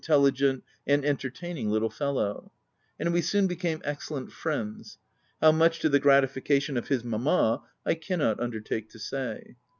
95 telligent, and entertaining little fellow ; and we soon became excellent friends — how much to the gratification of his mamma, I cannot un dertake to say.